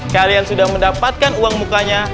kalian sudah mendapatkan uang mukanya